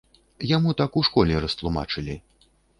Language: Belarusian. Яму так у школе растлумачылі.